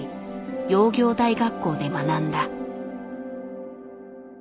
窯業大学校で学んだ。